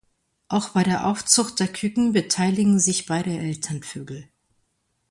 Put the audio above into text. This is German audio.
Auch bei der Aufzucht der Küken beteiligen sich beide Elternvögel.